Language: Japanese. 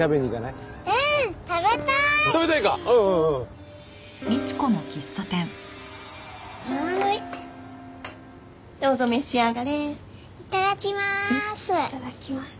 いただきます！